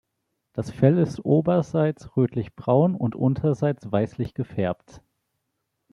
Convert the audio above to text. Das Fell ist oberseits rötlichbraun und unterseits weißlich gefärbt.